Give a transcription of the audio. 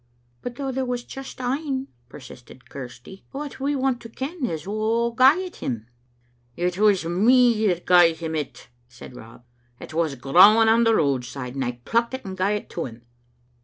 " "But though there was just ane," persisted Chirsty, "what we want to ken is wha gae him it." "It was me that gae him it," said Rob; "it was growing on the roadside, and I plucked it and gae it to him."